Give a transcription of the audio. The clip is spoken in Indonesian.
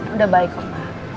udah baik kok